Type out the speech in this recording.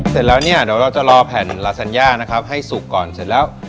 เสร็จแล้วเดี๋ยวเราจะรอแผ่นลาซานย่าให้สุกก่อนเสร็จแล้ว